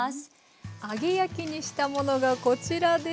揚げ焼きにしたものがこちらです。